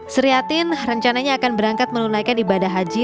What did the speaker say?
seriatin rencananya akan berangkat menunaikan ibadah haji